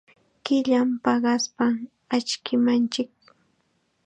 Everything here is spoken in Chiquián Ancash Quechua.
Killam paqaspa achkimanchik.